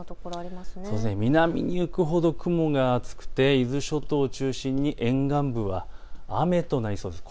南に行くほど雲が厚くて伊豆諸島を中心に沿岸部は雨となりそうです。